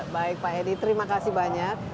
baik pak edi terima kasih banyak